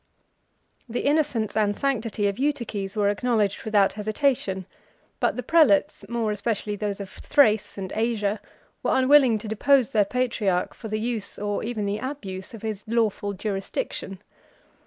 60 The innocence and sanctity of Eutyches were acknowledged without hesitation; but the prelates, more especially those of Thrace and Asia, were unwilling to depose their patriarch for the use or even the abuse of his lawful jurisdiction.